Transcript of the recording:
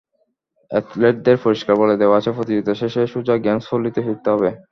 অ্যাথলেটদের পরিষ্কার বলে দেওয়া আছে, প্রতিযোগিতা শেষে সোজা গেমস পল্লিতে ফিরতে হবে।